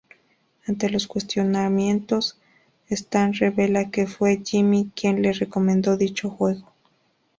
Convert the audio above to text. Ante los cuestionamientos, Stan revela que fue Jimmy quien le recomendó dicho juego.